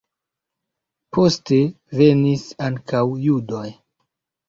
Poste venis ankaŭ judoj.